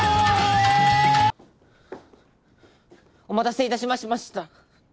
お待たせ致しましました。